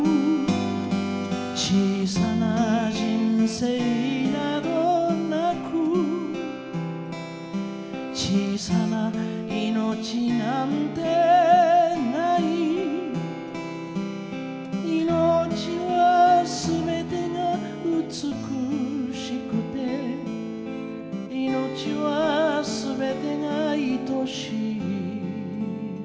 「小さな人生など無く小さないのちなんて無い」「いのちは全てが美しくて」「いのちは全てが愛しい」